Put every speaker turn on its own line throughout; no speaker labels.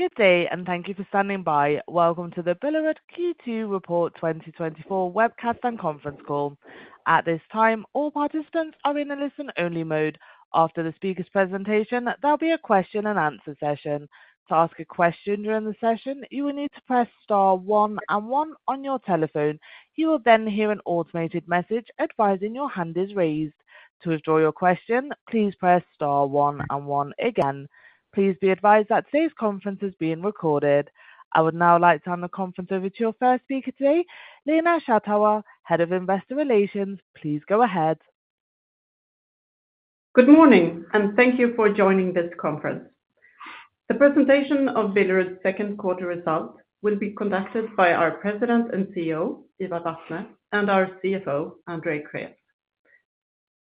Good day, and thank you for standing by. Welcome to the Billerud Q2 Report 2024 webcast and conference call. At this time, all participants are in a listen-only mode. After the speaker's presentation, there'll be a question and answer session. To ask a question during the session, you will need to press star one and one on your telephone. You will then hear an automated message advising your hand is raised. To withdraw your question, please press star one and one again. Please be advised that today's conference is being recorded. I would now like to turn the conference over to your first speaker today, Lena Schattauer, Head of Investor Relations. Please go ahead.
Good morning, and thank you for joining this conference. The presentation of Billerud's second quarter results will be conducted by our President and CEO, Ivar Vatne, and our CFO, Andrei Krés.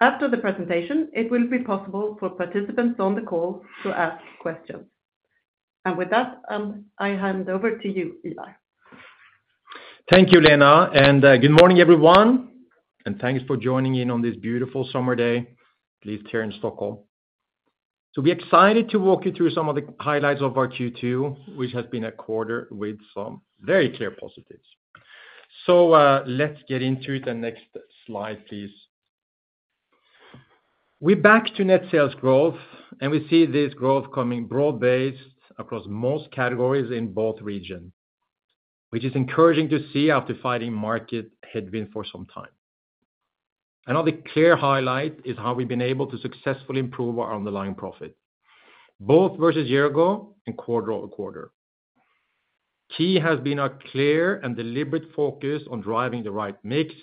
After the presentation, it will be possible for participants on the call to ask questions. With that, I hand over to you, Ivar.
Thank you, Lena, and good morning, everyone, and thanks for joining in on this beautiful summer day, at least here in Stockholm. So we're excited to walk you through some of the highlights of our Q2, which has been a quarter with some very clear positives. So, let's get into it. The next slide, please. We're back to net sales growth, and we see this growth coming broad-based across most categories in both region, which is encouraging to see after fighting market headwind for some time. Another clear highlight is how we've been able to successfully improve our underlying profit, both versus year ago and quarter-over-quarter. Key has been a clear and deliberate focus on driving the right mix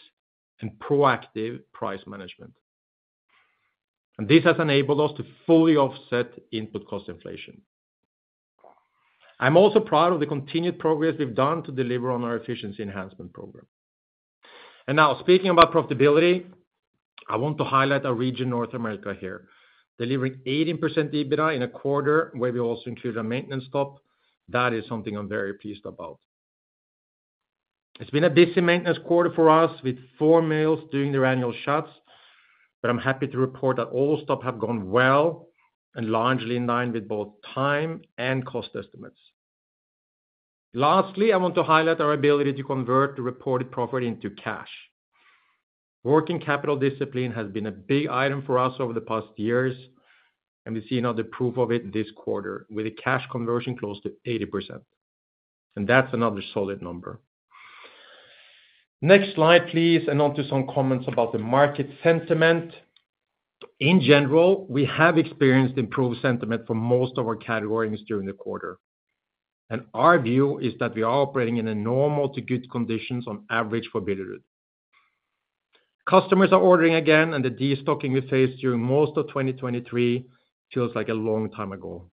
and proactive price management. And this has enabled us to fully offset input cost inflation. I'm also proud of the continued progress we've done to deliver on our efficiency enhancement program. Now, speaking about profitability, I want to highlight our region, North America, here, delivering 80% EBITDA in a quarter where we also include a maintenance stop. That is something I'm very pleased about. It's been a busy maintenance quarter for us, with 4 mills doing their annual shuts, but I'm happy to report that all stops have gone well and largely in line with both time and cost estimates. Lastly, I want to highlight our ability to convert the reported profit into cash. Working Capital discipline has been a big item for us over the past years, and we've seen another proof of it this quarter with a cash conversion close to 80%, and that's another solid number. Next slide, please, and on to some comments about the market sentiment. In general, we have experienced improved sentiment for most of our categories during the quarter, and our view is that we are operating in normal to good conditions on average for Billerud. Customers are ordering again, and the destocking we faced during most of 2023 feels like a long time ago.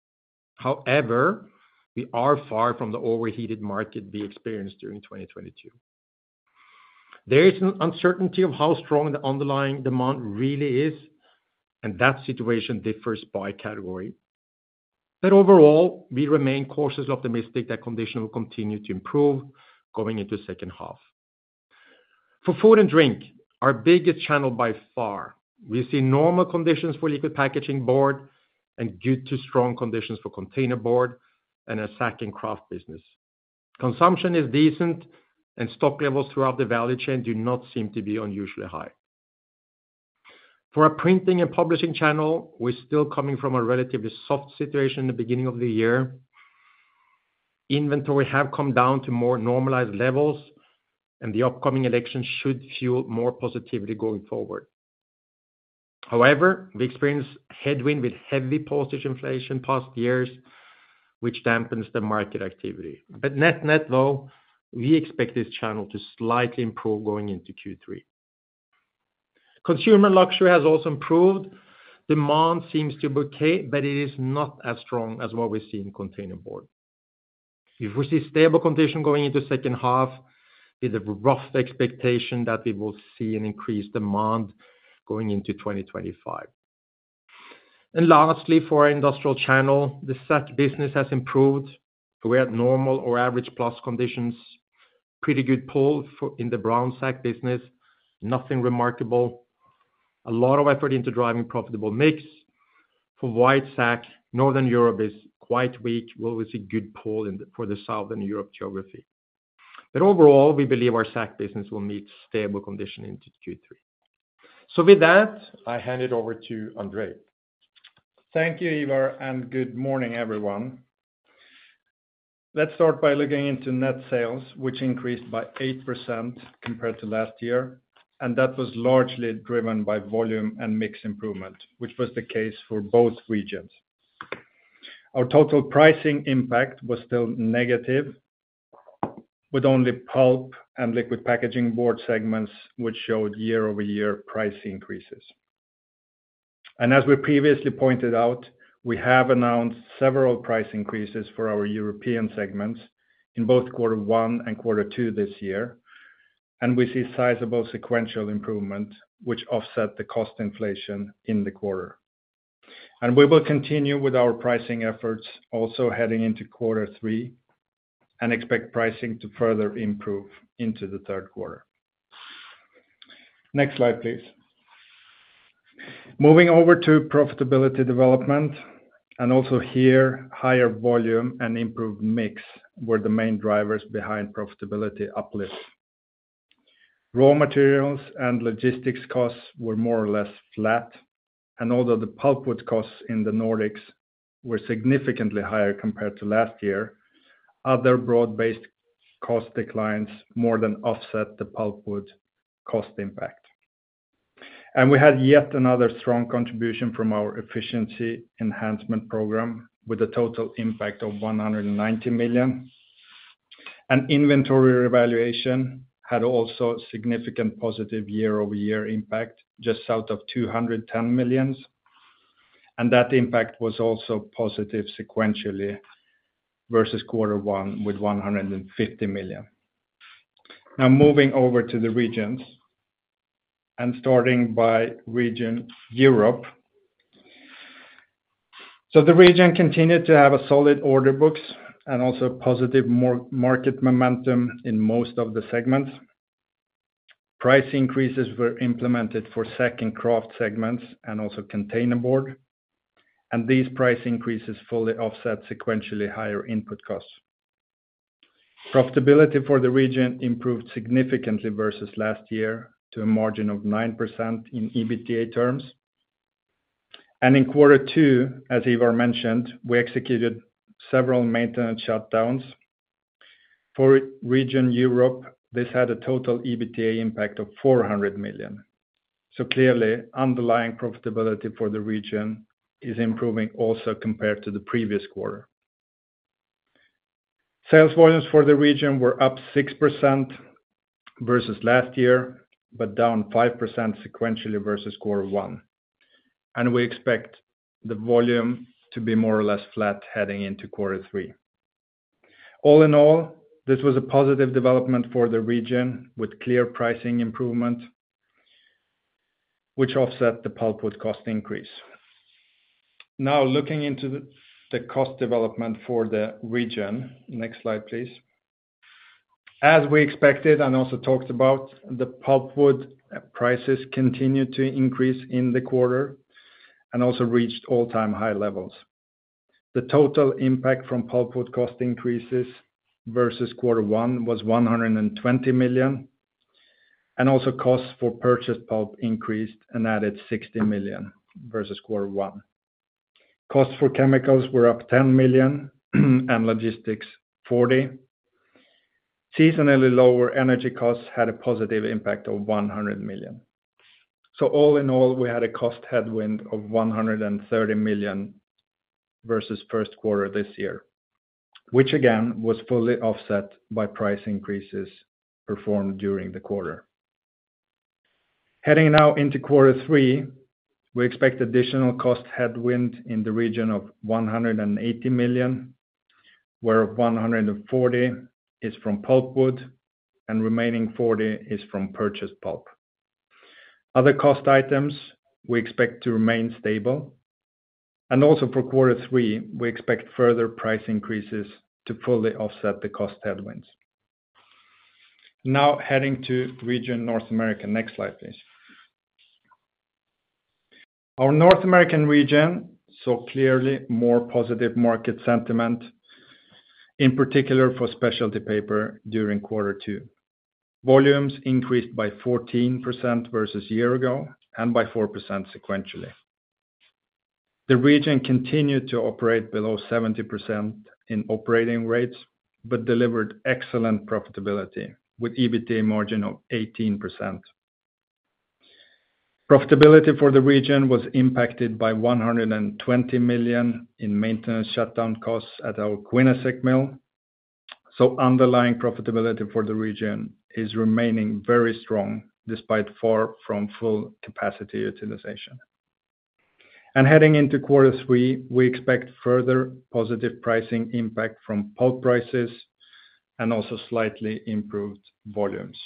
However, we are far from the overheated market we experienced during 2022. There is an uncertainty of how strong the underlying demand really is, and that situation differs by category. But overall, we remain cautiously optimistic that conditions will continue to improve going into the second half. For food and drink, our biggest channel by far, we see normal conditions for liquid packaging board and good to strong conditions for containerboard and a sack and kraft business. Consumption is decent, and stock levels throughout the value chain do not seem to be unusually high. For our printing and publishing channel, we're still coming from a relatively soft situation in the beginning of the year. Inventory have come down to more normalized levels, and the upcoming election should fuel more positivity going forward. However, we experienced headwind with heavy postage inflation past years, which dampens the market activity. But net-net, though, we expect this channel to slightly improve going into Q3. Consumer luxury has also improved. Demand seems to buoyant, but it is not as strong as what we see in containerboard. If we see stable condition going into second half, with a rough expectation that we will see an increased demand going into 2025. Lastly, for our industrial channel, the sack business has improved. We're at normal or average plus conditions. Pretty good pull in the brown sack business, nothing remarkable. A lot of effort into driving profitable mix. For white sack, Northern Europe is quite weak, where we see good pull for the Southern Europe geography. But overall, we believe our sack business will meet stable condition into Q3. So with that, I hand it over to Andrei.
Thank you, Ivar, and good morning, everyone. Let's start by looking into net sales, which increased by 8% compared to last year, and that was largely driven by volume and mix improvement, which was the case for both regions. Our total pricing impact was still negative, with only pulp and liquid packaging board segments, which showed year-over-year price increases. As we previously pointed out, we have announced several price increases for our European segments in both quarter one and quarter two this year, and we see sizable sequential improvement, which offset the cost inflation in the quarter. We will continue with our pricing efforts also heading into quarter three and expect pricing to further improve into the third quarter. Next slide, please. Moving over to profitability development, and also here, higher volume and improved mix were the main drivers behind profitability uplift. Raw materials and logistics costs were more or less flat, and although the pulpwood costs in the Nordics were significantly higher compared to last year, other broad-based cost declines more than offset the pulpwood cost impact. We had yet another strong contribution from our Efficiency Enhancement Program, with a total impact of 190 million. Inventory revaluation had also significant positive year-over-year impact, just south of 210 million, and that impact was also positive sequentially versus quarter one, with 150 million. Now, moving over to the regions, and starting by region Europe. So the region continued to have a solid order books and also positive market momentum in most of the segments. Price increases were implemented for sack and kraft segments, and also container board, and these price increases fully offset sequentially higher input costs. Profitability for the region improved significantly versus last year, to a margin of 9% in EBITDA terms. And in quarter two, as Ivar mentioned, we executed several maintenance shutdowns. For region Europe, this had a total EBITDA impact of 400 million. So clearly, underlying profitability for the region is improving also compared to the previous quarter. Sales volumes for the region were up 6% versus last year, but down 5% sequentially versus quarter one, and we expect the volume to be more or less flat heading into quarter three. All in all, this was a positive development for the region, with clear pricing improvement, which offset the pulpwood cost increase. Now, looking into the cost development for the region. Next slide, please. As we expected and also talked about, the pulpwood prices continued to increase in the quarter and also reached all-time high levels. The total impact from pulpwood cost increases versus quarter one was 120 million, and also costs for purchased pulp increased and added 60 million versus quarter one. Costs for chemicals were up 10 million, and logistics, 40 million. Seasonally, lower energy costs had a positive impact of 100 million. So all in all, we had a cost headwind of 130 million versus first quarter this year, which again, was fully offset by price increases performed during the quarter. Heading now into quarter three, we expect additional cost headwind in the region of 180 million, where 140 million is from pulpwood and remaining 40 million is from purchased pulp. Other cost items we expect to remain stable, and also for quarter three, we expect further price increases to fully offset the cost headwinds. Now, heading to region North America. Next slide, please. Our North American region saw clearly more positive market sentiment, in particular for specialty paper during quarter two. Volumes increased by 14% versus year ago, and by 4% sequentially. The region continued to operate below 70% in operating rates, but delivered excellent profitability, with EBITDA margin of 18%. Profitability for the region was impacted by 120 million in maintenance shutdown costs at our Quinnesec mill, so underlying profitability for the region is remaining very strong, despite far from full capacity utilization. And heading into quarter three, we expect further positive pricing impact from pulp prices, and also slightly improved volumes.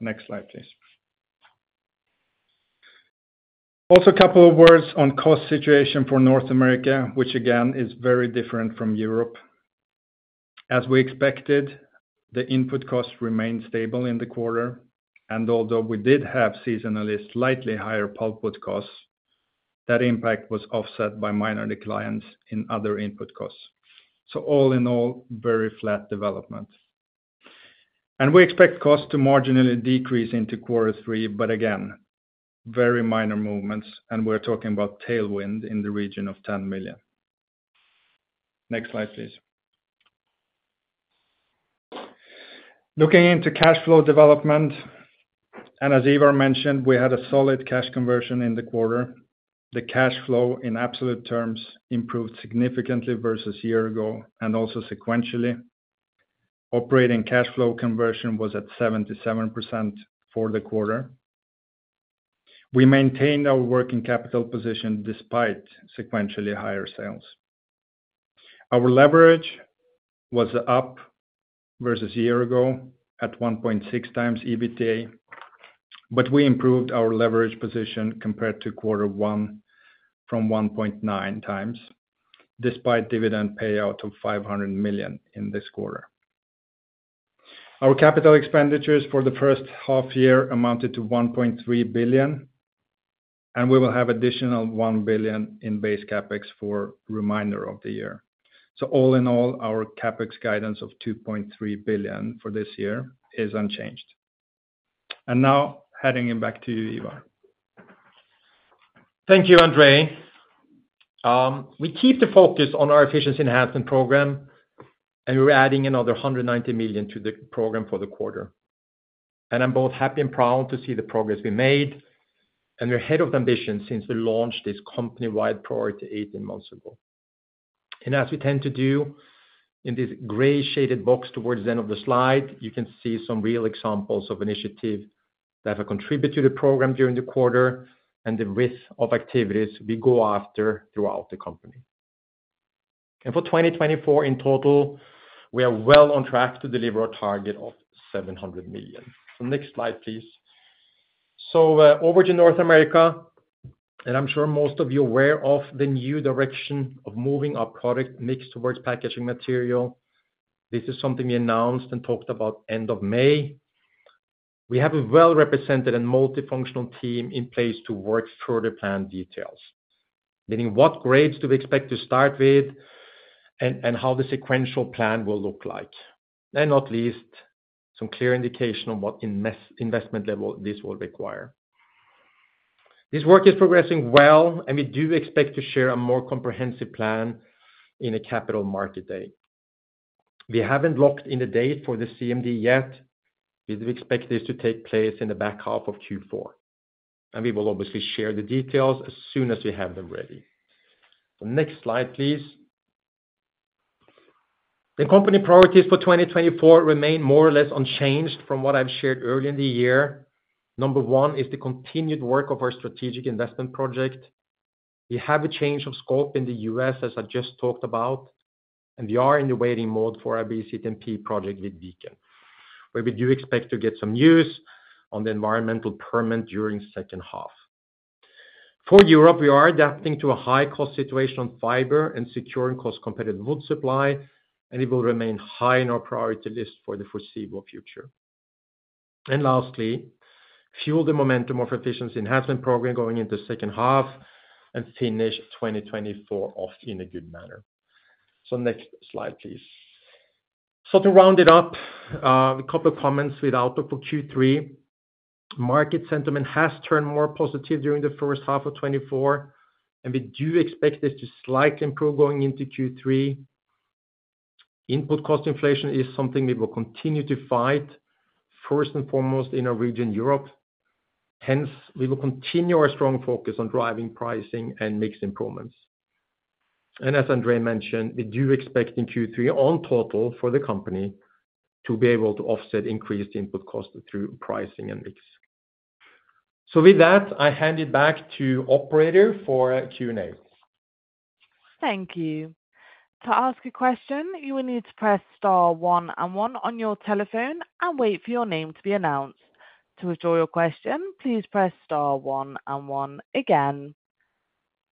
Next slide, please. Also, a couple of words on cost situation for North America, which again, is very different from Europe. As we expected, the input costs remained stable in the quarter, and although we did have seasonally slightly higher pulpwood costs, that impact was offset by minor declines in other input costs. So all in all, very flat development. And we expect costs to marginally decrease into quarter three, but again, very minor movements, and we're talking about tailwind in the region of 10 million. Next slide, please. Looking into cash flow development, and as Ivar mentioned, we had a solid cash conversion in the quarter. The cash flow in absolute terms improved significantly versus year ago, and also sequentially. Operating cash flow conversion was at 77% for the quarter. We maintained our working capital position despite sequentially higher sales. Our leverage was up versus a year ago at 1.6 times EBITDA, but we improved our leverage position compared to quarter one from 1.9 times, despite dividend payout of 500 million in this quarter. Our capital expenditures for the first half year amounted to 1.3 billion, and we will have additional 1 billion in base CapEx for remainder of the year. So all in all, our CapEx guidance of 2.3 billion for this year is unchanged. And now, handing it back to you, Ivar. Thank you, Andrei. We keep the focus on our Efficiency Enhancement Program, and we're adding another 190 million to the program for the quarter. I'm both happy and proud to see the progress we made, and we're ahead of the ambition since we launched this company-wide priority eight months ago. As we tend to do, in this gray shaded box towards the end of the slide, you can see some real examples of initiative that have contributed to the program during the quarter, and the width of activities we go after throughout the company. For 2024 in total, we are well on track to deliver our target of 700 million. So next slide, please. So, over to North America, and I'm sure most of you are aware of the new direction of moving our product mix towards packaging material. This is something we announced and talked about end of May. We have a well-represented and multifunctional team in place to work through the plan details. Meaning what grades do we expect to start with, and, and how the sequential plan will look like. And not least, some clear indication on what investment level this will require. This work is progressing well, and we do expect to share a more comprehensive plan in a Capital Markets Day. We haven't locked in a date for the CMD yet. We do expect this to take place in the back half of Q4, and we will obviously share the details as soon as we have them ready. So next slide, please. The company priorities for 2024 remain more or less unchanged from what I've shared earlier in the year. Number one is the continued work of our strategic investment project. We have a change of scope in the US, as I just talked about, and we are in the waiting mode for our BCTMP project with Viken Skog, where we do expect to get some news on the environmental permit during second half. For Europe, we are adapting to a high-cost situation on fiber and secure and cost-competitive wood supply, and it will remain high on our priority list for the foreseeable future. And lastly, fuel the momentum of Efficiency Enhancement Program going into second half, and finish 2024 off in a good manner. So next slide, please. So to round it up, a couple of comments with outlook for Q3. Market sentiment has turned more positive during the first half of 2024, and we do expect this to slightly improve going into Q3. Input cost inflation is something we will continue to fight, first and foremost in our region, Europe. Hence, we will continue our strong focus on driving, pricing, and mix improvements. As Andrei mentioned, we do expect in Q3, overall for the company, to be able to offset increased input costs through pricing and mix. With that, I hand it back to operator for Q&A.
Thank you. To ask a question, you will need to press star one and one on your telephone and wait for your name to be announced. To withdraw your question, please press star one and one again.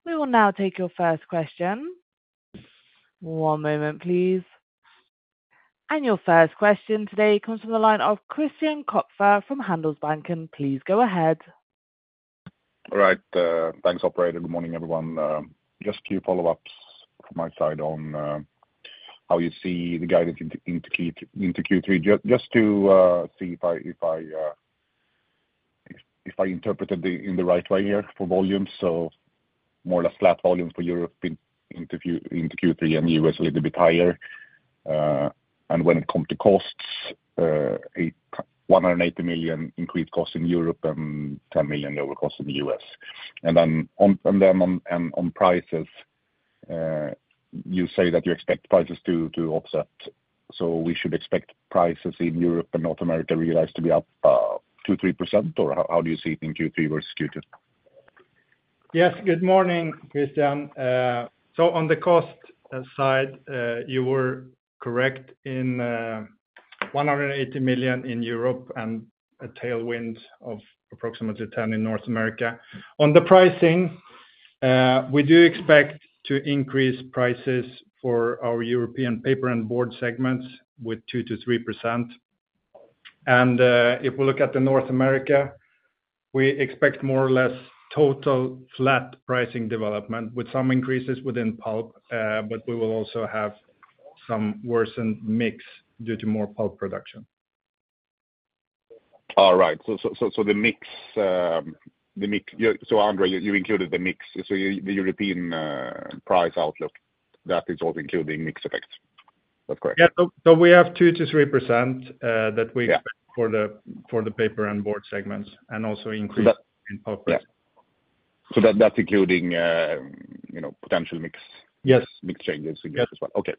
We will now take your first question. One moment, please. Your first question today comes from the line of Christian Kopfer from Handelsbanken. Please go ahead.
All right, thanks, operator. Good morning, everyone, just a few follow-ups from my side on how you see the guidance into Q3. Just to see if I interpreted it in the right way here for volumes, so more or less flat volume for Europe into Q3, and U.S. a little bit higher. And when it comes to costs, 180 million increased cost in Europe and 10 million over cost in the U.S. And then on prices, you say that you expect prices to offset, so we should expect prices in Europe and North America realize to be up 2%-3%, or how do you see it in Q3 versus Q2?
Yes, good morning, Christian. So on the cost side, you were correct in 180 million in Europe and a tailwind of approximately 10 million in North America. On the pricing, we do expect to increase prices for our European paper and board segments with 2%-3%. And, if we look at the North America, we expect more or less total flat pricing development with some increases within pulp, but we will also have some worsened mix due to more pulp production.
All right. So the mix... Yeah, so Andrei, you included the mix, so the European price outlook, that is all including mix effects. That's correct?
Yeah. So we have 2%-3%.
Yeah...
that we expect for the paper and board segments, and also increase-
But-
In pulp.
Yeah. So that, that's including, you know, potential mix-
Yes...
mix changes as well?
Yes.
Okay.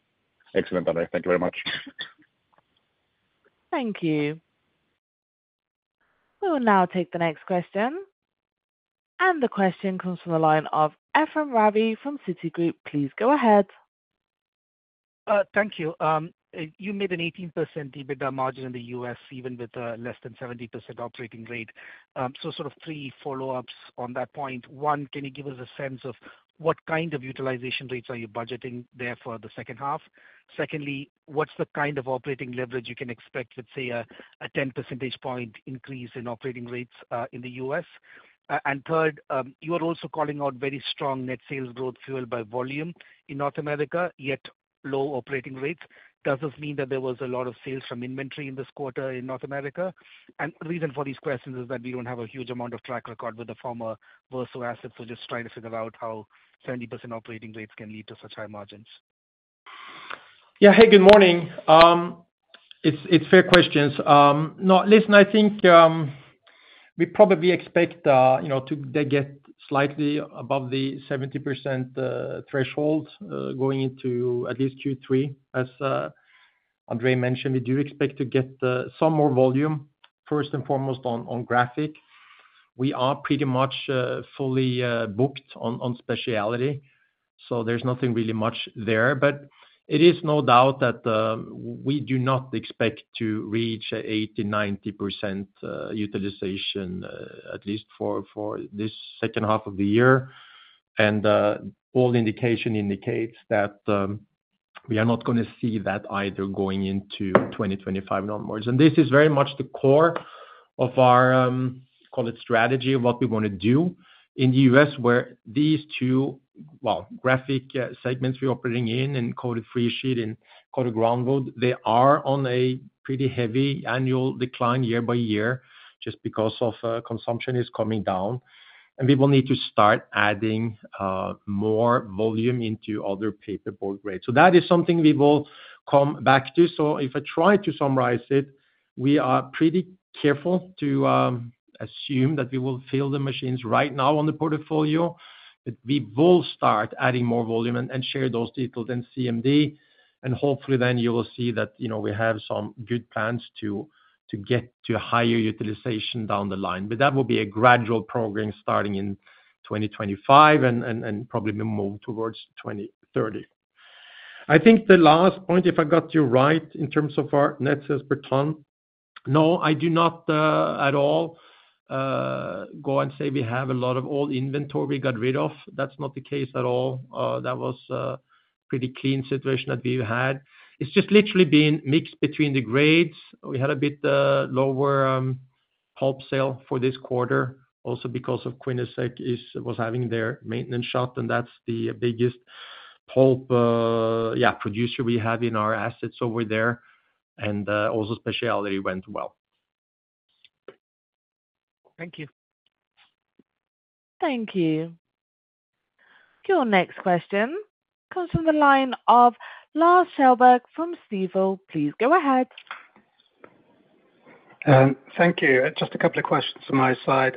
Excellent, Andrei. Thank you very much.
Thank you. We will now take the next question. The question comes from the line of Ephrem Ravi from Citigroup. Please go ahead....
Thank you. You made an 18% EBITDA margin in the US, even with less than 70% operating rate. So sort of three follow-ups on that point. One, can you give us a sense of what kind of utilization rates are you budgeting there for the second half? Secondly, what's the kind of operating leverage you can expect, let's say, a 10 percentage point increase in operating rates in the US? And third, you are also calling out very strong net sales growth fueled by volume in North America, yet low operating rates. Does this mean that there was a lot of sales from inventory in this quarter in North America? The reason for these questions is that we don't have a huge amount of track record with the former Verso assets, so just trying to figure out how 70% operating rates can lead to such high margins.
Yeah. Hey, good morning. It's fair questions. No, listen, I think we probably expect, you know, they get slightly above the 70% threshold going into at least Q3. As Andrei mentioned, we do expect to get some more volume, first and foremost on graphic. We are pretty much fully booked on specialty, so there's nothing really much there. But it is no doubt that we do not expect to reach 80%-90% utilization, at least for this second half of the year. And all indication indicates that we are not gonna see that either going into 2025 numbers. This is very much the core of our, call it strategy, what we wanna do in the U.S., where these two, well, graphic, segments we operating in and coated free sheet and coated groundwood, they are on a pretty heavy annual decline year by year, just because of, consumption is coming down. And we will need to start adding, more volume into other paperboard grades. So that is something we will come back to. So if I try to summarize it, we are pretty careful to, assume that we will fill the machines right now on the portfolio, but we will start adding more volume and, and share those details in CMD. And hopefully then you will see that, you know, we have some good plans to, to get to higher utilization down the line. But that will be a gradual program starting in 2025 and probably be moved towards 2030. I think the last point, if I got you right, in terms of our net sales per ton, no, I do not at all go and say we have a lot of old inventory we got rid of. That's not the case at all. That was a pretty clean situation that we had. It's just literally been mixed between the grades. We had a bit lower pulp sale for this quarter, also because of Quinnesec was having their maintenance shutdown, and that's the biggest pulp producer we have in our assets over there. And also specialty went well.
Thank you.
Thank you. Your next question comes from the line of Lars Kjellberg from SEB. Please go ahead.
Thank you. Just a couple of questions on my side.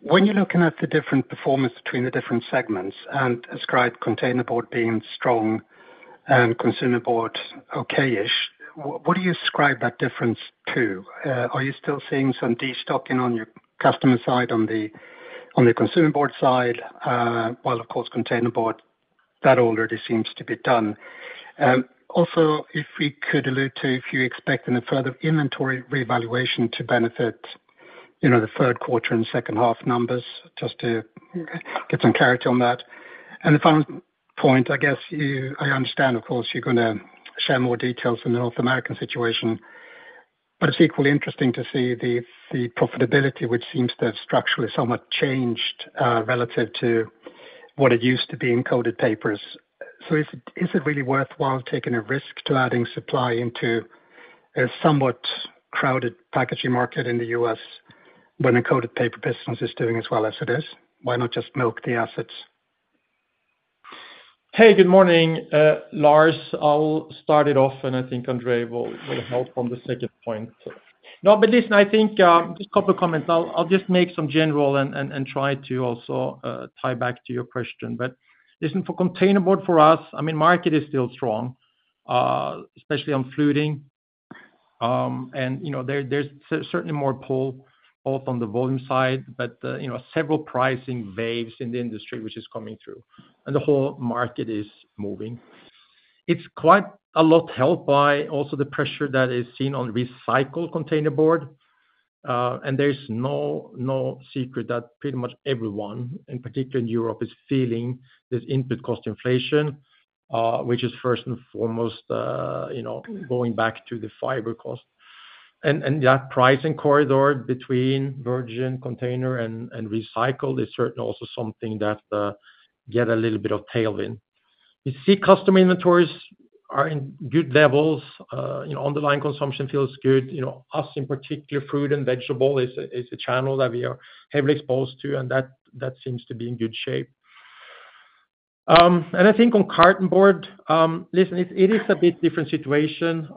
When you're looking at the different performance between the different segments and describe containerboard being strong and cartonboard, okay-ish, what do you describe that difference to? Are you still seeing some destocking on your customer side, on the, on the cartonboard side? While, of course, containerboard, that already seems to be done. Also, if we could allude to, if you expect any further inventory revaluation to benefit, you know, the third quarter and second half numbers, just to get some clarity on that. And the final point, I guess you I understand, of course, you're gonna share more details on the North American situation, but it's equally interesting to see the, the profitability, which seems to have structurally somewhat changed, relative to what it used to be in coated papers. So is it, is it really worthwhile taking a risk to adding supply into a somewhat crowded packaging market in the U.S., when the coated paper business is doing as well as it is? Why not just milk the assets?
Hey, good morning, Lars. I'll start it off, and I think Andre will help on the second point. No, but listen, I think just a couple of comments. I'll just make some general and try to also tie back to your question. But listen, for containerboard, for us, I mean, market is still strong, especially on fluting. And, you know, there, there's certainly more pull, both on the volume side, but, you know, several pricing waves in the industry, which is coming through, and the whole market is moving. It's quite a lot helped by also the pressure that is seen on recycled containerboard. And there is no, no secret that pretty much everyone, in particular in Europe, is feeling this input cost inflation, which is first and foremost, you know, going back to the fiber cost. And, and that pricing corridor between virgin containerboard and recycled is certainly also something that get a little bit of tailwind. We see customer inventories are in good levels, you know, underlying consumption feels good. You know, us, in particular, food and vegetable is a, is a channel that we are heavily exposed to, and that, that seems to be in good shape. And I think on cartonboard, listen, it, it is a bit different situation.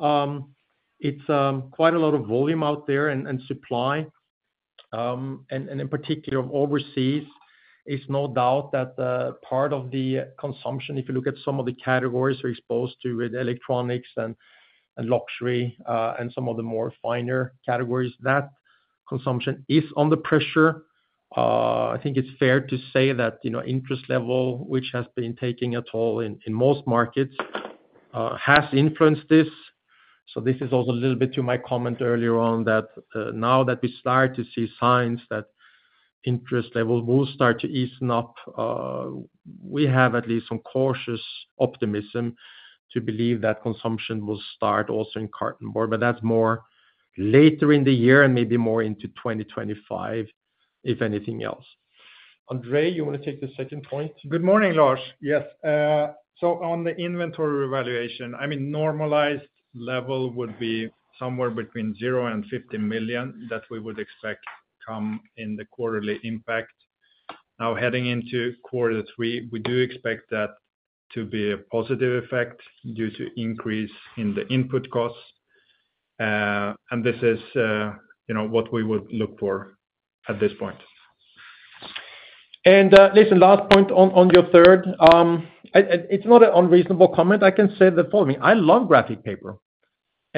It's quite a lot of volume out there and supply, and in particular, overseas, it's no doubt that part of the consumption, if you look at some of the categories we're exposed to with electronics and luxury, and some of the more finer categories, that consumption is under pressure... I think it's fair to say that, you know, interest level, which has been taking a toll in most markets, has influenced this. So this is also a little bit to my comment earlier on, that now that we start to see signs that interest levels will start to ease up, we have at least some cautious optimism to believe that consumption will start also in cartonboard. But that's more later in the year and maybe more into 2025, if anything else. Andrei, you want to take the second point?
Good morning, Lars. Yes, so on the inventory revaluation, I mean, normalized level would be somewhere between 0 and 50 million that we would expect come in the quarterly impact. Now, heading into quarter three, we do expect that to be a positive effect due to increase in the input costs. And this is, you know, what we would look for at this point.
Listen, last point on your third. It's not an unreasonable comment. I can say the following: I love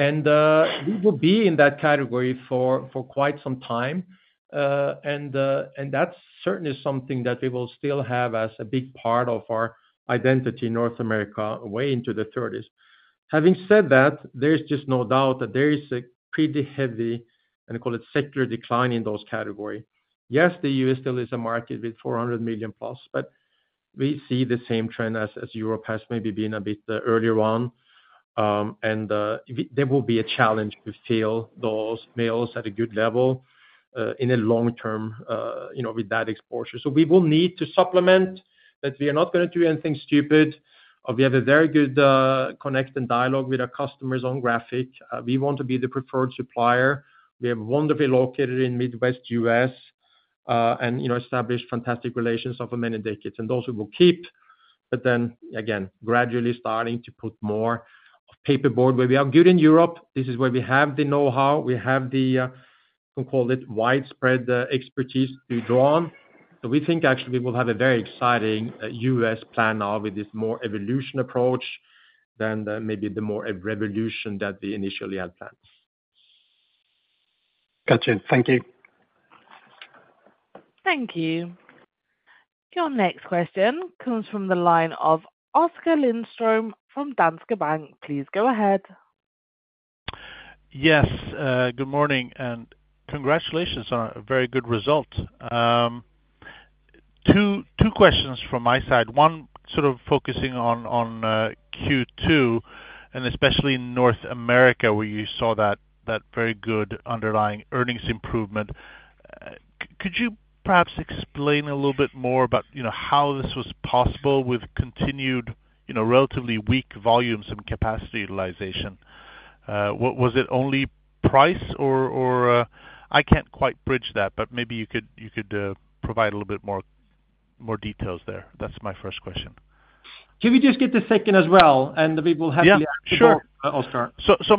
graphic paper, and we will be in that category for quite some time. And that's certainly something that we will still have as a big part of our identity in North America, way into the thirties. Having said that, there's just no doubt that there is a pretty heavy, and I call it, secular decline in those category. Yes, the U.S. still is a market with 400 million plus, but we see the same trend as Europe has maybe been a bit earlier on. And there will be a challenge to fill those mills at a good level, in the long term, you know, with that exposure. So we will need to supplement, but we are not going to do anything stupid. We have a very good connect and dialogue with our customers on graphic. We want to be the preferred supplier. We are wonderfully located in Midwest U.S., and, you know, established fantastic relations over many decades, and those we will keep. But then again, gradually starting to put more of paperboard where we are good in Europe. This is where we have the know-how, we have the, we call it, widespread expertise to draw on. So we think actually we'll have a very exciting U.S. plan now with this more evolution approach than the, maybe the more revolution that we initially had planned.
Got you. Thank you.
Thank you. Your next question comes from the line of Oskar Lindström from Danske Bank. Please go ahead.
Yes, good morning, and congratulations on a very good result. Two, two questions from my side. One, sort of focusing on, Q2, and especially in North America, where you saw that very good underlying earnings improvement. Could you perhaps explain a little bit more about, you know, how this was possible with continued, you know, relatively weak volumes and capacity utilization? Was it only price or... I can't quite bridge that, but maybe you could provide a little bit more details there. That's my first question.
Can we just get the second as well, and we will happily-
Yeah, sure.
-I'll start.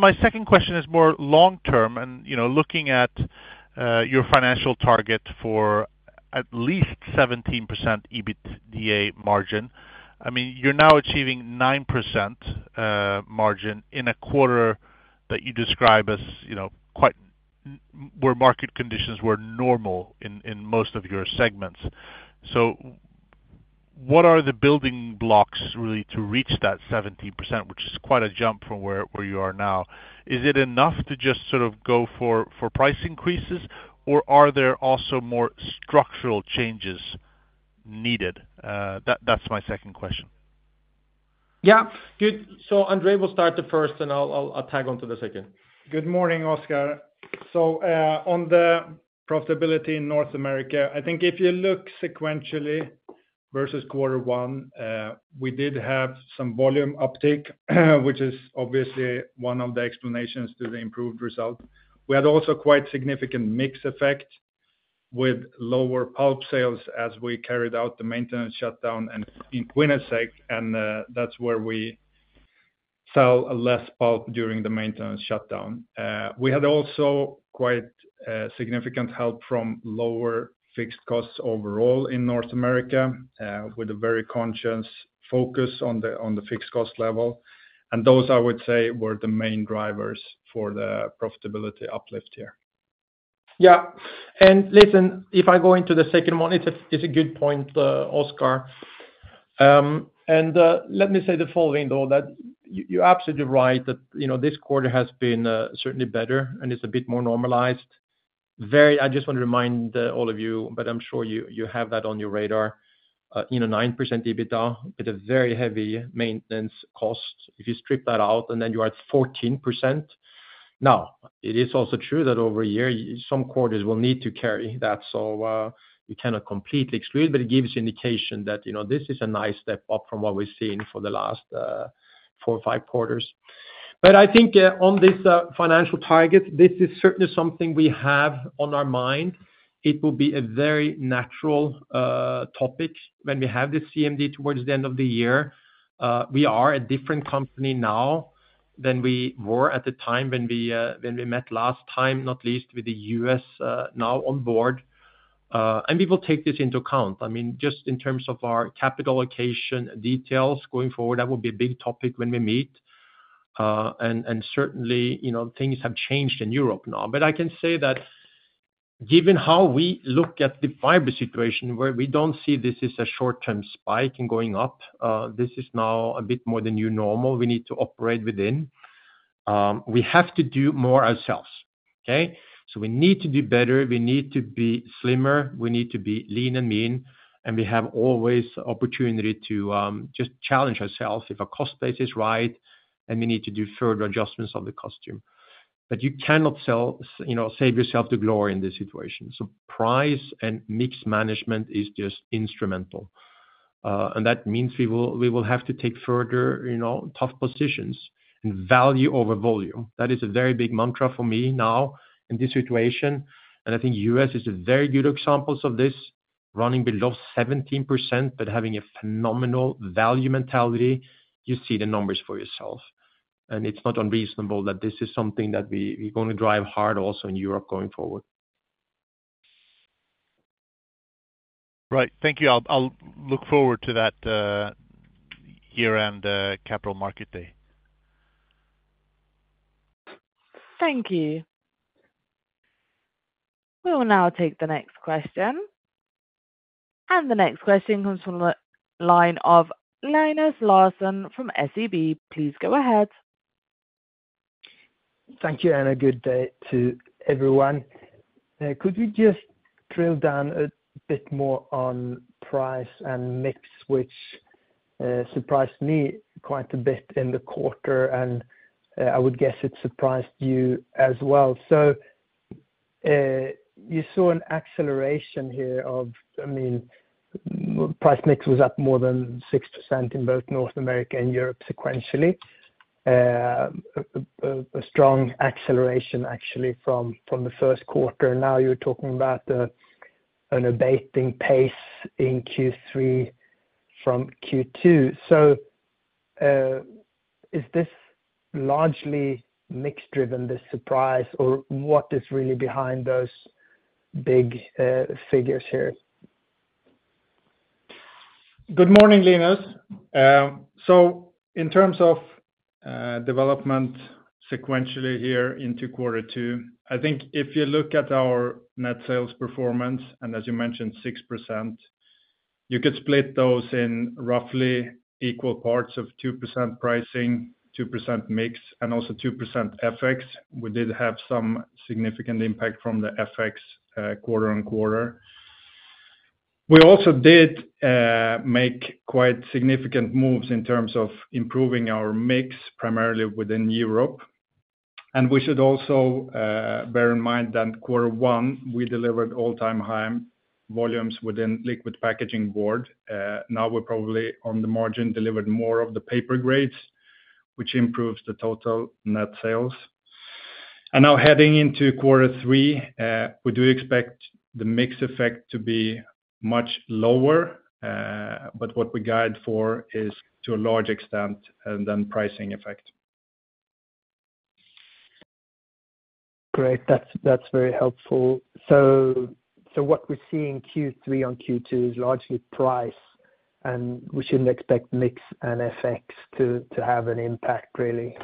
My second question is more long term and, you know, looking at your financial target for at least 17% EBITDA margin. I mean, you're now achieving 9% margin in a quarter that you describe as, you know, quite where market conditions were normal in most of your segments. So what are the building blocks really to reach that 17%, which is quite a jump from where you are now? Is it enough to just sort of go for price increases, or are there also more structural changes needed? That's my second question.
Yeah, good. So Andrei, we'll start the first and I'll tag on to the second.
Good morning, Oskar. So, on the profitability in North America, I think if you look sequentially versus quarter one, we did have some volume uptick, which is obviously one of the explanations to the improved result. We had also quite significant mix effect with lower pulp sales as we carried out the maintenance shutdown and in Quinnesec, and that's where we sell less pulp during the maintenance shutdown. We had also quite significant help from lower fixed costs overall in North America, with a very conscious focus on the, on the fixed cost level. And those, I would say, were the main drivers for the profitability uplift here.
Yeah. And listen, if I go into the second one, it's a, it's a good point, Oskar. And let me say the following, though, that you're absolutely right, that, you know, this quarter has been certainly better, and it's a bit more normalized. I just want to remind all of you, but I'm sure you, you have that on your radar. You know, 9% EBITDA with a very heavy maintenance cost. If you strip that out, and then you are at 14%. Now, it is also true that over a year, some quarters will need to carry that. So, you cannot completely exclude, but it gives you indication that, you know, this is a nice step up from what we've seen for the last four or five quarters. But I think, on this financial target, this is certainly something we have on our mind. It will be a very natural topic when we have the CMD towards the end of the year. We are a different company now than we were at the time when we met last time, not least with the U.S. now on board. And we will take this into account. I mean, just in terms of our capital allocation details going forward, that will be a big topic when we meet....
and certainly, you know, things have changed in Europe now. But I can say that given how we look at the fiber situation, where we don't see this as a short-term spike in going up, this is now a bit more the new normal we need to operate within. We have to do more ourselves, okay? So we need to do better, we need to be slimmer, we need to be lean and mean, and we have always opportunity to just challenge ourselves if our cost base is right, and we need to do further adjustments on the costs. But you cannot save, you know, your way to glory in this situation. So price and mix management is just instrumental. And that means we will have to take further, you know, tough positions, and value over volume. That is a very big mantra for me now in this situation, and I think U.S. is a very good example of this, running below 17%, but having a phenomenal value mentality, you see the numbers for yourself. It's not unreasonable that this is something that we're gonna drive hard also in Europe going forward.
Right. Thank you. I'll look forward to that, year-end Capital Markets Day.
Thank you. We will now take the next question. The next question comes from the line of Linus Larsson from SEB. Please go ahead.
Thank you, and a good day to everyone. Could you just drill down a bit more on price and mix, which surprised me quite a bit in the quarter, and I would guess it surprised you as well. So, you saw an acceleration here of, I mean, price mix was up more than 6% in both North America and Europe sequentially. A strong acceleration, actually, from the first quarter. Now you're talking about an abating pace in Q3 from Q2. So, is this largely mix driven, the surprise, or what is really behind those big figures here?
Good morning, Linus. So in terms of development sequentially here into quarter two, I think if you look at our net sales performance, and as you mentioned, 6%, you could split those in roughly equal parts of 2% pricing, 2% mix, and also 2% FX. We did have some significant impact from the FX quarter on quarter. We also did make quite significant moves in terms of improving our mix, primarily within Europe. And we should also bear in mind that quarter one, we delivered all-time high volumes within liquid packaging board. Now we're probably on the margin, delivered more of the paper grades, which improves the total net sales. Now heading into quarter three, we do expect the mix effect to be much lower, but what we guide for is to a large extent, and then pricing effect.
Great. That's very helpful. So what we see in Q3 on Q2 is largely price, and we shouldn't expect mix and FX to have an impact, really?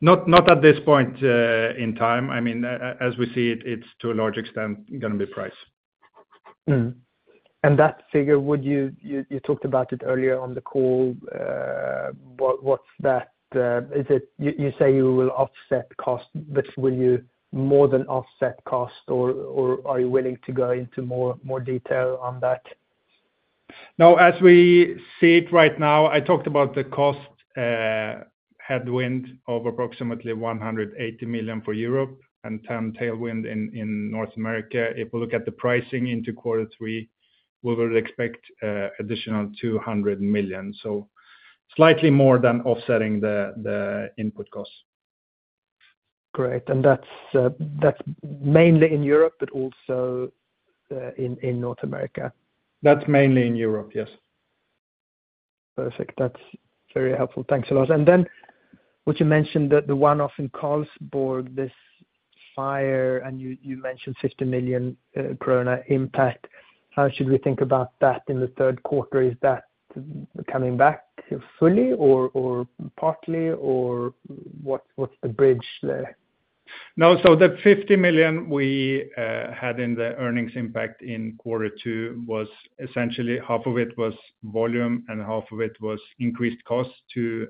Not, not at this point in time. I mean, as we see it, it's to a large extent gonna be price.
And that figure, would you? You talked about it earlier on the call, what’s that, is it—you say you will offset cost, but will you more than offset cost or are you willing to go into more detail on that?
Now, as we see it right now, I talked about the cost headwind of approximately 180 million for Europe and 10 million tailwind in North America. If we look at the pricing into quarter three, we will expect additional 200 million. So slightly more than offsetting the input costs.
Great. That's mainly in Europe, but also in North America?
That's mainly in Europe, yes.
Perfect. That's very helpful. Thanks a lot. And then would you mention the one-off in Karlsborg, this fire, and you mentioned 50 million impact. How should we think about that in the third quarter? Is that coming back fully or partly, or what, what's the bridge there?
No, so the 50 million we had in the earnings impact in quarter two was essentially half of it was volume and half of it was increased cost to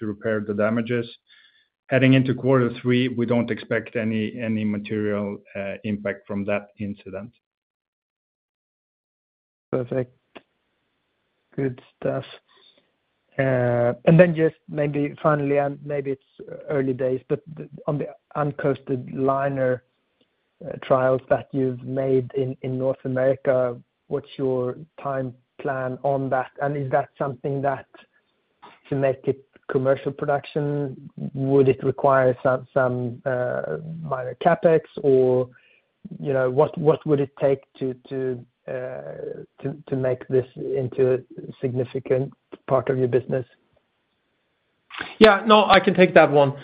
repair the damages. Heading into quarter three, we don't expect any material impact from that incident.
Perfect. Good stuff. And then just maybe finally, and maybe it's early days, but on the uncoated liner, trials that you've made in North America, what's your time plan on that? And is that something that, to make it commercial production, would it require some minor CapEx, or, you know, what would it take to make this into a significant part of your business?
Yeah. No, I can take that one.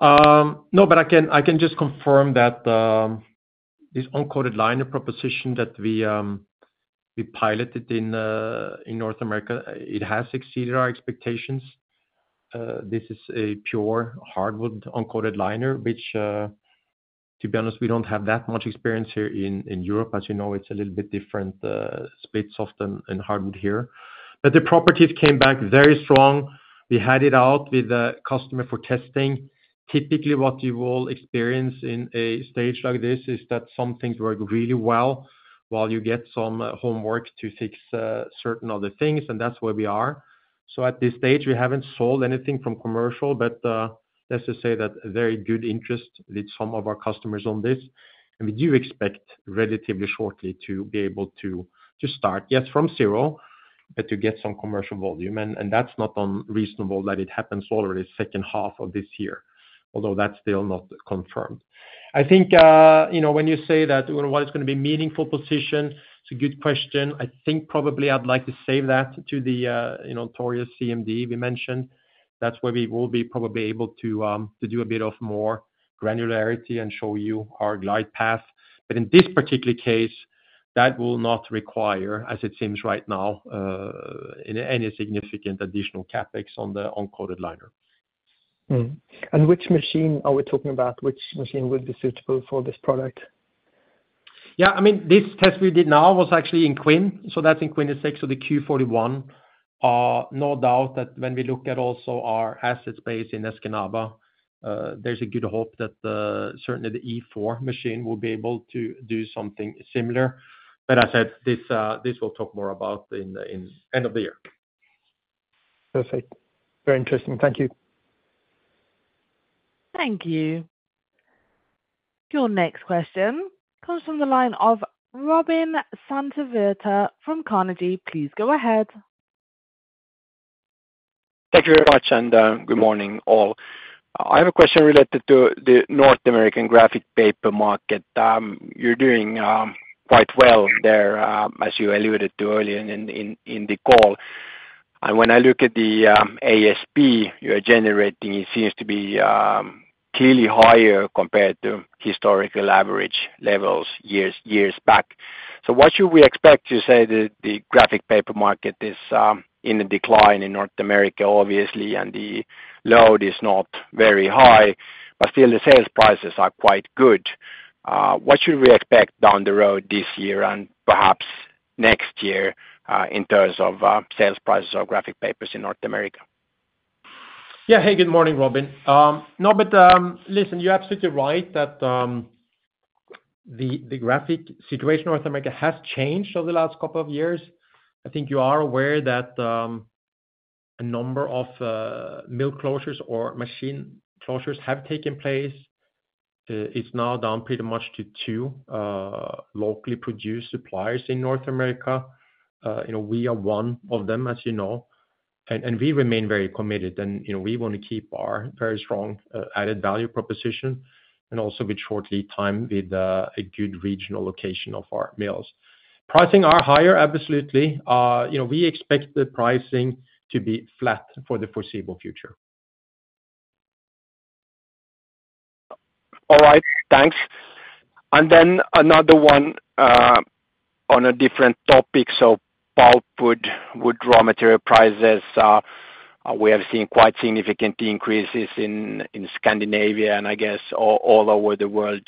No, but I can just confirm that this uncoated liner proposition that we...
We piloted in, in North America, it has exceeded our expectations. This is a pure hardwood uncoated liner, which, to be honest, we don't have that much experience here in, in Europe. As you know, it's a little bit different, split soft and, and hardwood here. But the properties came back very strong. We had it out with a customer for testing. Typically, what you will experience in a stage like this is that some things work really well, while you get some homework to fix, certain other things, and that's where we are. So at this stage, we haven't sold anything from commercial, but, let's just say that very good interest with some of our customers on this. And we do expect relatively shortly to be able to, to start, yes, from zero, but to get some commercial volume. That's not unreasonable that it happens already second half of this year, although that's still not confirmed. I think, you know, when you say that, well, what is gonna be meaningful position, it's a good question. I think probably I'd like to save that to the, you know, our CMD we mentioned. That's where we will be probably able to, to do a bit of more granularity and show you our glide path. But in this particular case, that will not require, as it seems right now, in any significant additional CapEx on the uncoated liner.
Which machine are we talking about? Which machine would be suitable for this product?
Yeah, I mean, this test we did now was actually in Quinnesec, so that's in Quinnesec, so the Q41. No doubt that when we look at also our asset base in Escanaba, there's a good hope that the, certainly the E4 machine will be able to do something similar. But I said, this we'll talk more about in the end of the year.
Perfect. Very interesting. Thank you.
Thank you. Your next question comes from the line of Robin Santavirta from Carnegie. Please go ahead.
Thank you very much, and, good morning, all. I have a question related to the North American graphic paper market. You're doing quite well there, as you alluded to earlier in the call. And when I look at the ASP you're generating, it seems to be clearly higher compared to historical average levels years back. So what should we expect, say, the graphic paper market is in a decline in North America, obviously, and the load is not very high, but still the sales prices are quite good. What should we expect down the road this year and perhaps next year, in terms of sales prices for graphic papers in North America?
Yeah. Hey, good morning, Robin. No, but, listen, you're absolutely right that the graphic situation in North America has changed over the last couple of years. I think you are aware that a number of mill closures or machine closures have taken place. It's now down pretty much to two locally produced suppliers in North America. You know, we are one of them, as you know, and we remain very committed, and, you know, we wanna keep our very strong added value proposition, and also with shortly time, with a good regional location of our mills. Pricing are higher, absolutely. You know, we expect the pricing to be flat for the foreseeable future.
All right. Thanks. And then another one on a different topic. So pulpwood, wood, raw material prices, we have seen quite significant increases in Scandinavia and I guess all over the world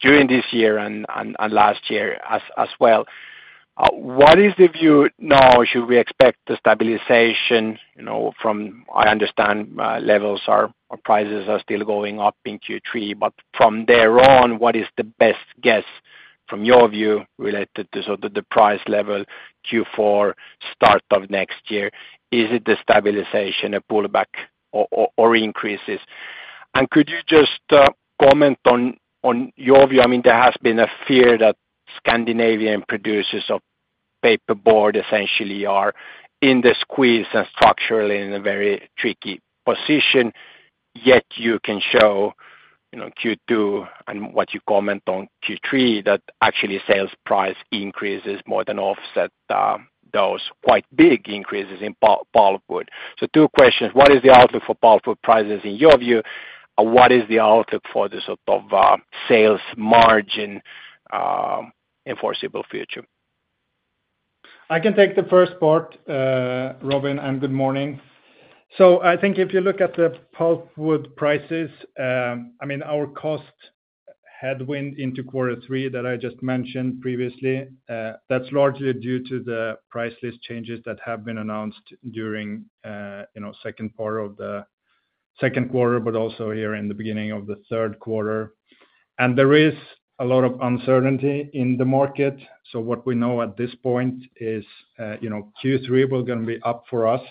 during this year and last year as well. What is the view now? Should we expect the stabilization, you know, from... I understand levels are, or prices are still going up in Q3, but from there on, what is the best guess from your view, related to sort of the price level Q4, start of next year? Is it the stabilization, a pullback, or increases? And could you just comment on your view, I mean, there has been a fear that Scandinavian producers of paper board essentially are in the squeeze and structurally in a very tricky position, yet you can show, you know, Q2 and what you comment on Q3, that actually sales price increases more than offset those quite big increases in pulpwood. So two questions: What is the outlook for pulpwood prices in your view, and what is the outlook for the sort of sales margin in foreseeable future?
I can take the first part, Robin, and good morning. So I think if you look at the pulpwood prices, I mean, our cost headwind into quarter three that I just mentioned previously, that's largely due to the price list changes that have been announced during, you know, second quarter, but also here in the beginning of the third quarter. There is a lot of uncertainty in the market, so what we know at this point is, you know, Q3 was gonna be up for us.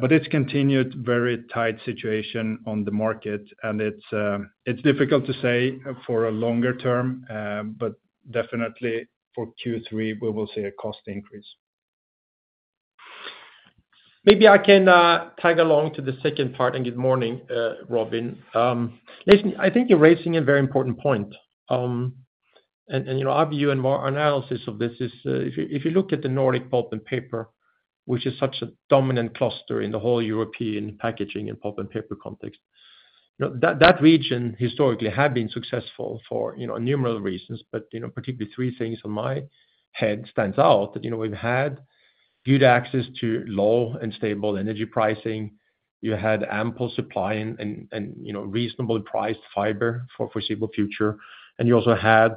But it's continued very tight situation on the market, and it's difficult to say for a longer term, but definitely for Q3, we will see a cost increase.
Maybe I can tag along to the second part, and good morning, Robin. Listen, I think you're raising a very important point. And, you know, our view and more analysis of this is, if you look at the Nordic pulp and paper which is such a dominant cluster in the whole European packaging and pulp and paper context. You know, that region historically had been successful for, you know, numerous reasons, but, you know, particularly three things on my head stands out, that, you know, we've had good access to low and stable energy pricing. You had ample supply and, you know, reasonably priced fiber for foreseeable future. And you also had,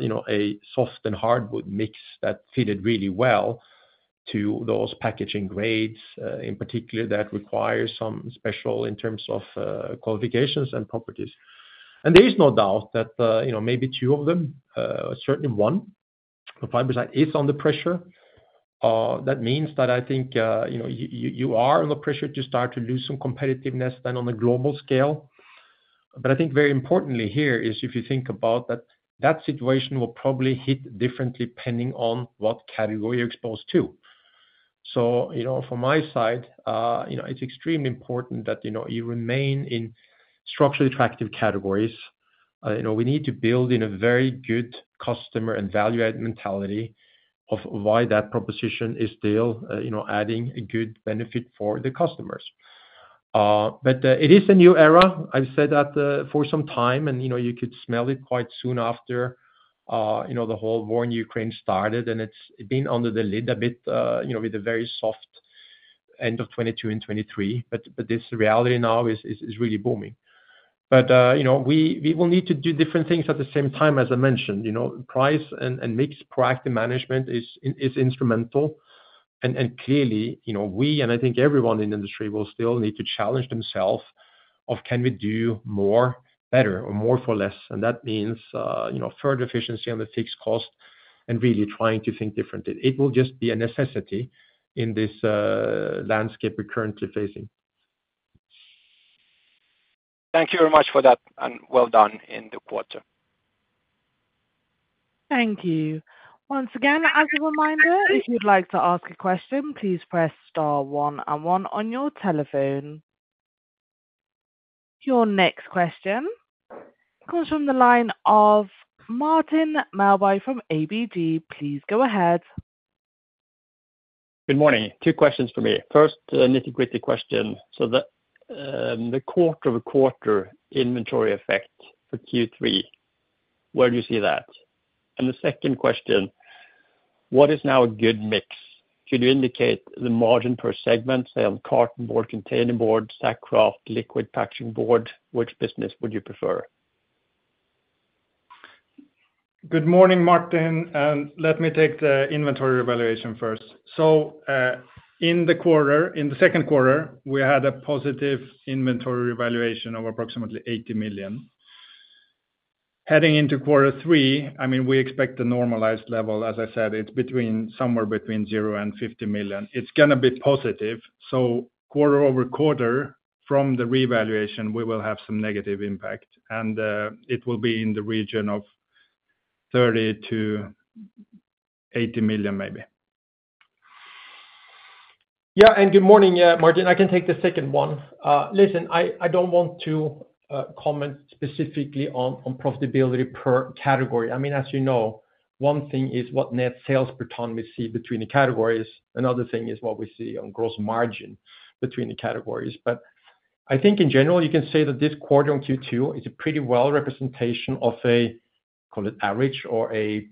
you know, a soft and hardwood mix that fitted really well to those packaging grades, in particular, that requires some special in terms of qualifications and properties. And there is no doubt that, you know, maybe two of them, certainly one, the fiber side is under pressure. That means that I think, you know, you are under pressure to start to lose some competitiveness than on a global scale. But I think very importantly here is if you think about that, that situation will probably hit differently depending on what category you're exposed to. So, you know, from my side, you know, it's extremely important that, you know, you remain in structurally attractive categories. You know, we need to build in a very good customer and value-add mentality of why that proposition is still, you know, adding a good benefit for the customers. But, it is a new era. I've said that, for some time, and, you know, you could smell it quite soon after, you know, the whole war in Ukraine started, and it's been under the lid a bit, you know, with a very soft end of 2022 and 2023, but this reality now is really booming. But, you know, we will need to do different things at the same time, as I mentioned, you know, price and mixed proactive management is instrumental. Clearly, you know, we and I think everyone in the industry will still need to challenge themselves of can we do more better or more for less? And that means, you know, further efficiency on the fixed cost and really trying to think differently. It will just be a necessity in this landscape we're currently facing.
Thank you very much for that, and well done in the quarter.
Thank you. Once again, as a reminder, if you'd like to ask a question, please press star one and one on your telephone. Your next question comes from the line of Martin Melbye from ABG. Please go ahead.
Good morning. Two questions for me. First, a nitty-gritty question: so the, the quarter-over-quarter inventory effect for Q3, where do you see that? And the second question: What is now a good mix? Could you indicate the margin per segment, say, on cartonboard, containerboard, sack kraft, liquid packaging board? Which business would you prefer?
Good morning, Martin, and let me take the inventory evaluation first. So, in the quarter, in the second quarter, we had a positive inventory evaluation of approximately 80 million. Heading into quarter three, I mean, we expect the normalized level. As I said, it's between, somewhere between 0 and 50 million. It's gonna be positive, so quarter over quarter, from the revaluation, we will have some negative impact, and, it will be in the region of 30 million-80 million, maybe.
Yeah, and good morning, Martin. I can take the second one. Listen, I don't want to comment specifically on profitability per category. I mean, as you know, one thing is what net sales per ton we see between the categories, another thing is what we see on gross margin between the categories. But I think in general, you can say that this quarter, on Q2, is a pretty well representation of a, call it, average or a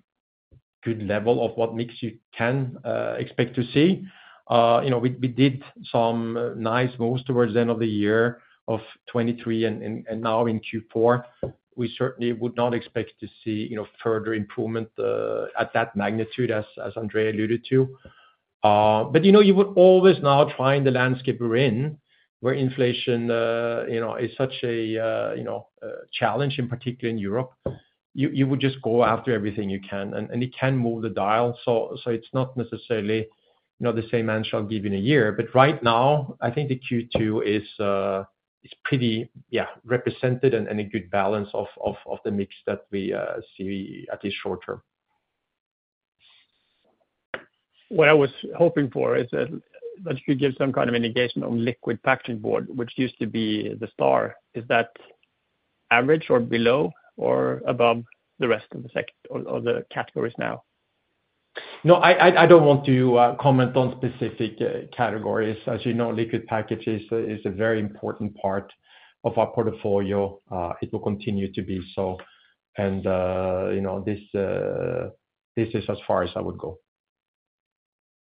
good level of what mix you can expect to see. You know, we did some nice moves towards the end of the year of 2023 and now in Q4. We certainly would not expect to see, you know, further improvement at that magnitude, as Andrei alluded to. But you know, you would always now find the landscape we're in, where inflation, you know, is such a, you know, a challenge, in particular in Europe. You would just go after everything you can and you can move the dial, so it's not necessarily, you know, the same answer I'll give you in a year. But right now, I think the Q2 is pretty, yeah, represented and a good balance of the mix that we see at least short term.
What I was hoping for is that you could give some kind of indication on liquid packaging board, which used to be the star. Is that average or below or above the rest of the sector or the categories now?
No, I don't want to comment on specific categories. As you know, liquid packages is a very important part of our portfolio. It will continue to be so, and, you know, this is as far as I would go.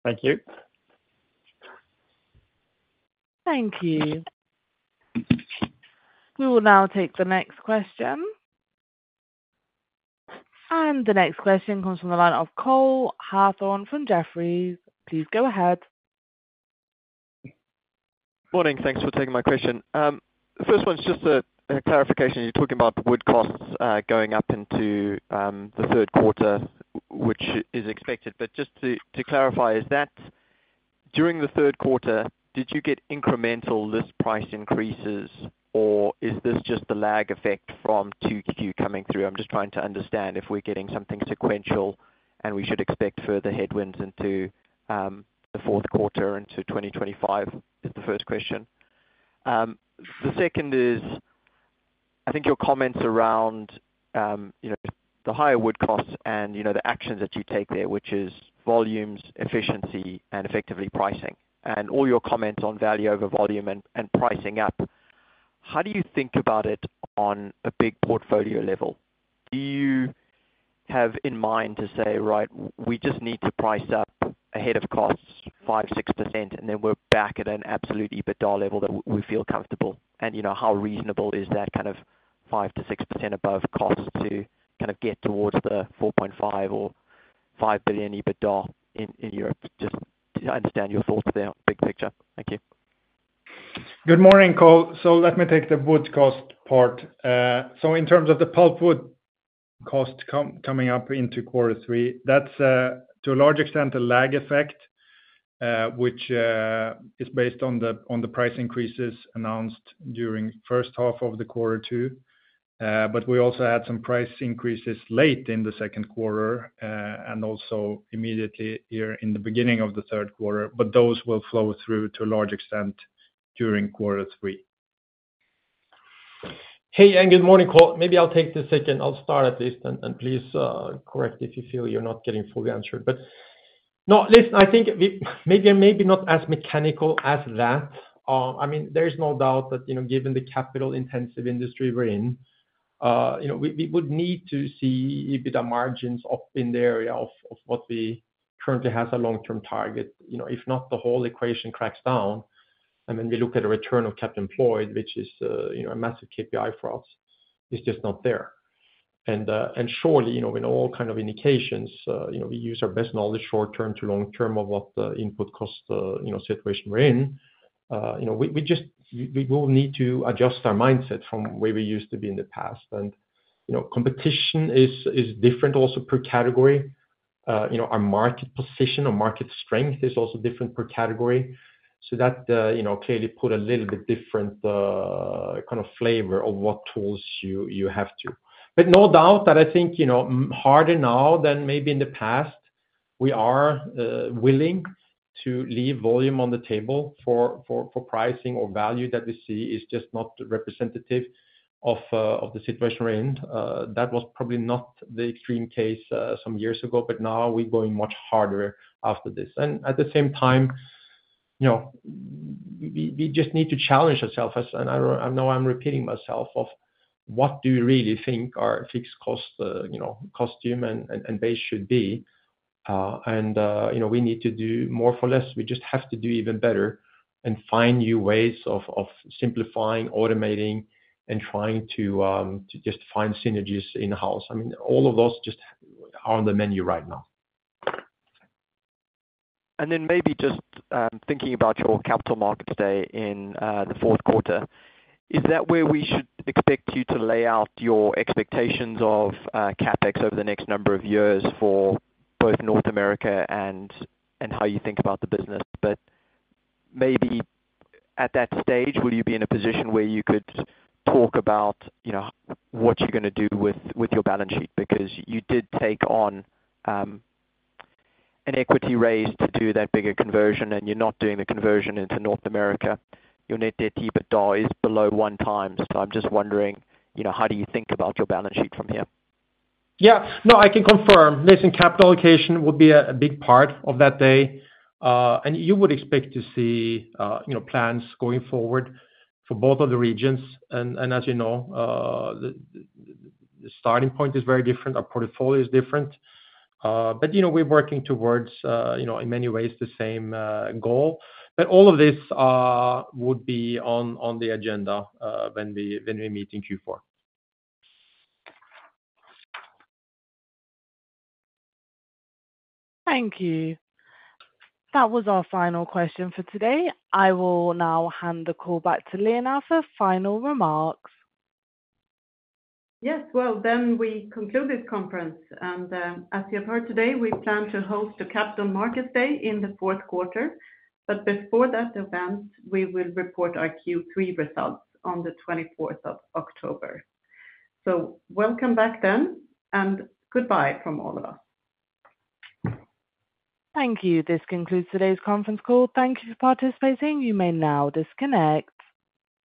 Thank you.
Thank you. We will now take the next question. The next question comes from the line of Cole Hathorn from Jefferies. Please go ahead.
Morning. Thanks for taking my question. The first one's just a clarification. You're talking about wood costs going up into the third quarter, which is expected. But just to clarify, is that during the third quarter, did you get incremental list price increases, or is this just the lag effect from 2Q coming through? I'm just trying to understand if we're getting something sequential, and we should expect further headwinds into the fourth quarter into 2025. Is the first question. The second is- I think your comments around, you know, the higher wood costs and, you know, the actions that you take there, which is volumes, efficiency, and effectively pricing, and all your comments on value over volume and pricing up, how do you think about it on a big portfolio level? Do you have in mind to say, "Right, we just need to price up ahead of costs 5-6%, and then we're back at an absolute EBITDA level that we feel comfortable?" And, you know, how reasonable is that kind of 5%-6% above cost to kind of get towards the 4.5 billion or 5 billion EBITDA in Europe? Just I understand your thoughts there, big picture. Thank you.
Good morning, Cole. So let me take the wood cost part. So in terms of the pulpwood cost coming up into quarter three, that's, to a large extent, a lag effect, which is based on the, on the price increases announced during first half of the quarter two. But we also had some price increases late in the second quarter, and also immediately here in the beginning of the third quarter, but those will flow through to a large extent during quarter three.
Hey, and good morning, Cole. Maybe I'll take this second. I'll start at least, and please correct me if you feel you're not getting fully answered. But no, listen, I think we, maybe, maybe not as mechanical as that. I mean, there is no doubt that, you know, given the capital-intensive industry we're in, you know, we would need to see EBITDA margins up in the area of what we currently have as a long-term target. You know, if not, the whole equation cracks down, and then we look at a return on capital employed, which is, you know, a massive KPI for us. It's just not there. Surely, you know, in all kind of indications, you know, we use our best knowledge short term to long term of what the input cost, you know, situation we're in. You know, we just will need to adjust our mindset from where we used to be in the past. And, you know, competition is different also per category. You know, our market position or market strength is also different per category. So that, you know, clearly put a little bit different kind of flavor of what tools you have to... But no doubt that I think, you know, harder now than maybe in the past, we are willing to leave volume on the table for pricing or value that we see is just not representative of the situation we're in. That was probably not the extreme case some years ago, but now we're going much harder after this. At the same time, you know, we just need to challenge ourselves. And I know I'm repeating myself, about what do you really think our fixed cost base should be? You know, we need to do more for less. We just have to do even better and find new ways of simplifying, automating, and trying to just find synergies in-house. I mean, all of those just are on the menu right now.
And then maybe just thinking about your Capital Markets Day in the fourth quarter, is that where we should expect you to lay out your expectations of CapEx over the next number of years for both North America and how you think about the business? But maybe at that stage, will you be in a position where you could talk about, you know, what you're gonna do with your balance sheet? Because you did take on an equity raise to do that bigger conversion, and you're not doing the conversion into North America. Your net debt EBITDA is below one times. So I'm just wondering, you know, how do you think about your balance sheet from here?
Yeah. No, I can confirm. Listen, capital allocation will be a big part of that day, and you would expect to see, you know, plans going forward for both of the regions. And as you know, the starting point is very different, our portfolio is different, but you know, we're working towards, you know, in many ways the same goal. But all of this would be on the agenda when we meet in Q4.
Thank you. That was our final question for today. I will now hand the call back to Lena for final remarks.
Yes, well, then we conclude this conference. As you have heard today, we plan to host a Capital Markets Day in the fourth quarter, but before that event, we will report our Q3 results on the twenty-fourth of October. Welcome back then, and goodbye from all of us.
Thank you. This concludes today's conference call. Thank you for participating. You may now disconnect.